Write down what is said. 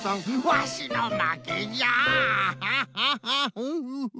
ワシのまけじゃ！